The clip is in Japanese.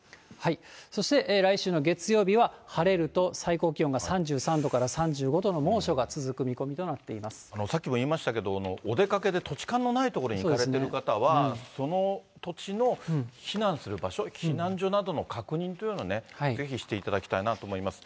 そして来週の月曜日は晴れると最高気温が３３度から３５度のさっきも言いましたけど、お出かけで土地勘のない所に行かれてる方は、その土地の避難する場所、避難所などの確認というのをね、ぜひしていただきたいなと思います。